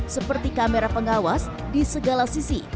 seperti kamera pengawas di segala sisi